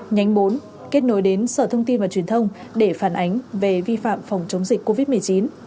nhánh bốn kết nối đến sở thông tin và truyền thông để phản ánh về vi phạm phòng chống dịch covid một mươi chín